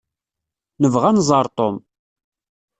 Nebɣa ad nẓer Tom.